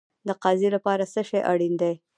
د قاضي لپاره څه شی اړین دی؟